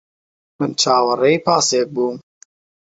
من چاوەڕێی پاسێک بووم.